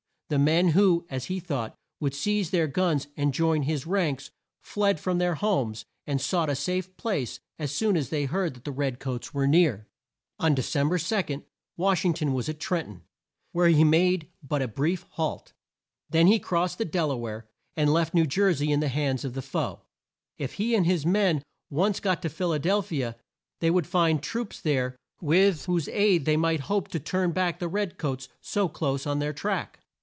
The men who, as he thought, would seize their guns and join his ranks, fled from their homes and sought a safe place as soon as they heard that the red coats were near. [Illustration: CROSSING THE DELAWARE. P. 78.] On De cem ber 2, Wash ing ton was at Tren ton, where he made but a brief halt. Then he crossed the Del a ware, and left New Jer sey in the hands of the foe. If he and his men once got to Phil a del phi a, they would find troops there with whose aid they might hope to turn back the red coats so close on their track.